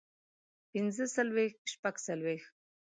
پنځۀ څلوېښت شپږ څلوېښت